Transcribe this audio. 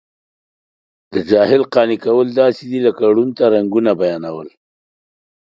د جاهل قانع کول داسې دي لکه ړوند ته رنګونه بیانوي.